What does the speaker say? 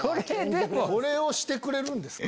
これをしてくれるんですか？